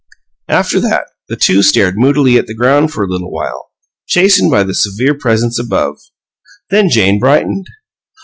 After that, the two stared moodily at the ground for a little while, chastened by the severe presence above; then Jane brightened.